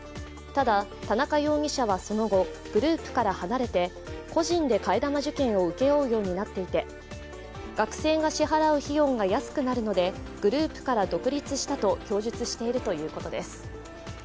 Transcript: ただ、田中容疑者はその後グループから離れて個人で替え玉受検を請け負うようになっていて、学生が支払う費用が安くなるのでグループから独立したと供述しているということです。